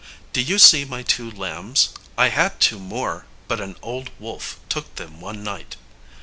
Do you see my two lambs? I had two more; but an old wolf took them one night.